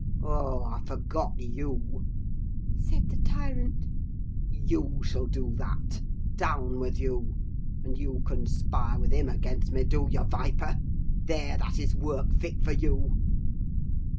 "'Oh, I forgot you,' said the tyrant. 'You shall do that. Down with you. And you conspire with him against me, do you, viper? There, that is work fit for you!